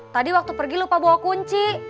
tadi waktu pergi lupa bawa kunci